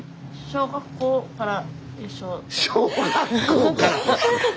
小学校から一緒？